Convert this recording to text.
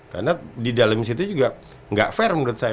karena di dalam situ juga enggak fair menurut saya